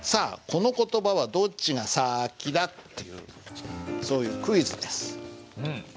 この言葉はどっちが先だ？っていうそういうクイズです。